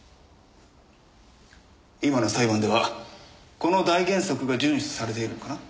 今の裁判ではこの大原則が順守されているのかな？